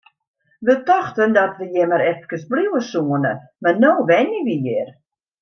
Wy tochten dat we hjir mar efkes bliuwe soene, mar no wenje we hjir!